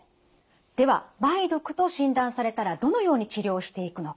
では梅毒と診断されたらどのように治療していくのか。